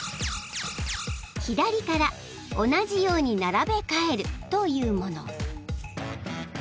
左から同じように並べ替えるというもの］